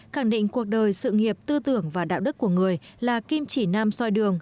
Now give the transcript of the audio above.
khẳng định cuộc đời sự nghiệp tư tưởng và đạo đức của người là kim chỉ nam soi đường